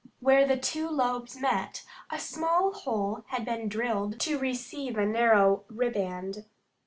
Where the two lobes met, a small hole had been drilled to receive a narrow riband.